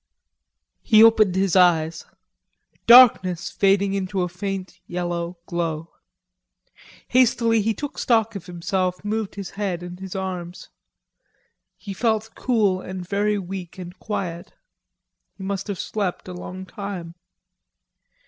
He opened his eyes. Darkness fading into a faint yellow glow. Hastily he took stock of himself, moved his head and his arms. He felt cool and very weak and quiet; he must have slept a long time.